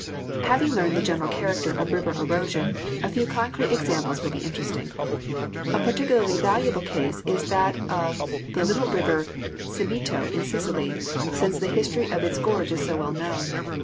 Having learned the general character of river erosion, a few concrete examples will be interesting. A particularly valuable case is that of the little river Simeto in Sicily, since the history of its gorge is so well known.